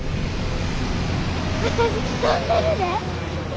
私飛んでるで！